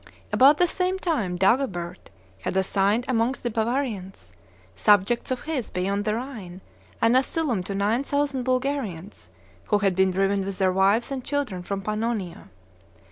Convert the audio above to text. About the same time Dagobert had assigned amongst the Bavarians, subjects of his beyond the Rhine, an asylum to nine thousand Bulgarians, who had been driven with their wives and children from Pannonia.